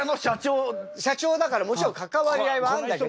社長だからもちろん関わり合いはあんだけど。